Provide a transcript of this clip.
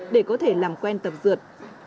để có thể làm quen tập dượt